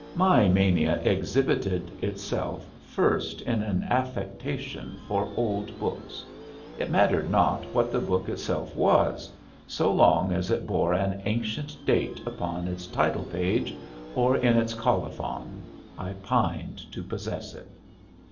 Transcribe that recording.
My mania exhibited itself first in an affectation for old books; it mattered not what the book itself was so long as it bore an ancient date upon its title page or in its colophon I pined to possess it.